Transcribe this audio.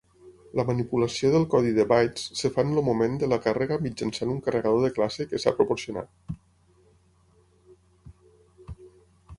La manipulació del codi de bytes es fa en el moment de la càrrega mitjançant un carregador de classe que s'ha proporcionat.